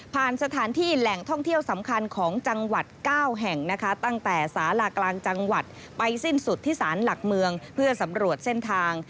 สถานที่แหล่งท่องเที่ยวสำคัญของจังหวัด๙แห่งนะคะตั้งแต่สาลากลางจังหวัดไปสิ้นสุดที่สารหลักเมืองเพื่อสำรวจเส้นทาง